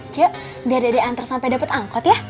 cuk biar dede antar sampe dapet angkot ya